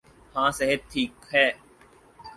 ہاں صحت ٹھیک ہو۔